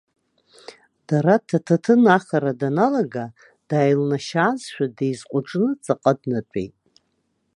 Дараҭ аҭаҭын ахара даналага, дааилнашьаазшәа, деизҟәыҿны ҵаҟа днатәеит.